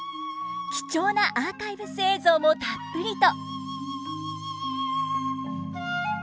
貴重なアーカイブス映像もたっぷりと。